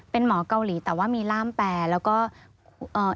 เป็นหมอเกาหลีแต่มีร่ามแปรบันแตร